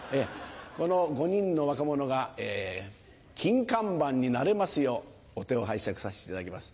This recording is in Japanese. この５人の若者が金看板になれますようお手を拝借させていただきます